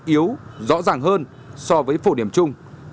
yếu rõ ràng hơn so với phổ điểm chung